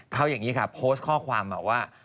เขาโพสต์ข้อความว่า